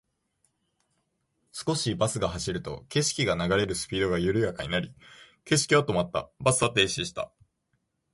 少しバスが走ると、景色が流れるスピードが緩やかになり、景色は止まった。バスは停止した。